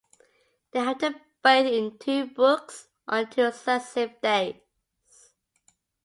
They have to bathe in two brooks on two successive days.